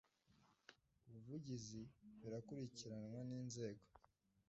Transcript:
ubuvugizi birakurikiranwa n inzego